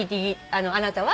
あなたは？